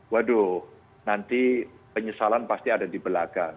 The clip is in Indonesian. waduh nanti penyesalan pasti ada di belakang